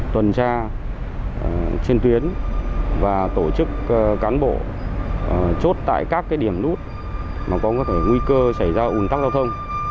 tuần tra trên tuyến và tổ chức cán bộ chốt tại các điểm nút mà có thể nguy cơ xảy ra ủn tắc giao thông